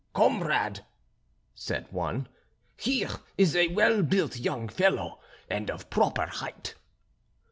"Comrade," said one, "here is a well built young fellow, and of proper height."